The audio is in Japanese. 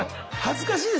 恥ずかしい！